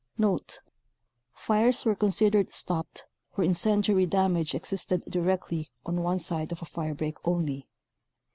1 Notk — Fire ; were considered "stopped" where incendiary dam age existed directly on one side of a firebreak only.